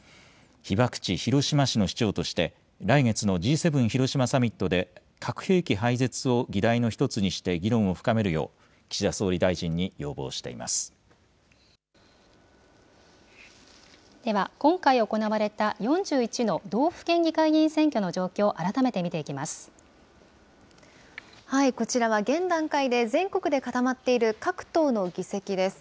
被爆地、広島市の市長として、来月のＧ７広島サミットで、核兵器廃絶を議題の１つにして議論を深めるよう、岸田総理大臣にでは、今回行われた４１の道府県議会議員選挙の状況、こちらは現段階で、全国で固まっている各党の議席です。